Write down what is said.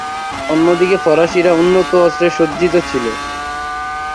অন্যদিকে ফরাসিরা উন্নত অস্ত্রে সজ্জিত ছিল।